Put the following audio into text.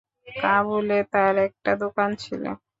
কাবুলে তার একটা দোকান ছিলো।